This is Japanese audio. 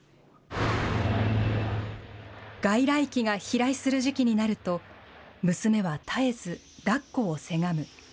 外来機が飛来する時期になると、娘は絶えず抱っこをせがむ。